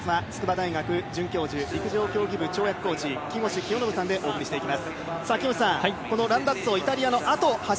解説は筑波大学准教授、陸上競技部跳躍コーチ、木越清信さんでお送りします。